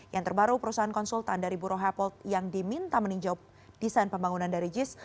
yang terbaru perusahaan konsultan dari burohapold yang diminta meninjau desain pembangunan dari jis